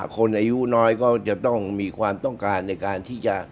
คนอายุน้อยก็จะต้องมีความต้องการในการที่จะ